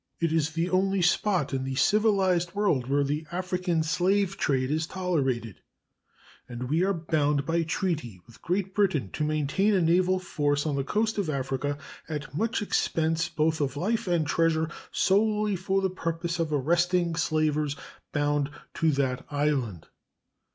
It is the only spot in the civilized world where the African slave trade is tolerated, and we are bound by treaty with Great Britain to maintain a naval force on the coast of Africa, at much expense both of life and treasure, solely for the purpose of arresting slavers bound to that island.